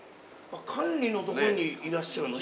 管理のとこにいらっしゃるの？